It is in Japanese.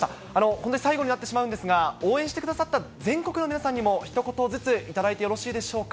これで最後になってしまうんですが、応援してくださった全国の皆さんにもひと言ずつ頂いてよろしいでしょうか。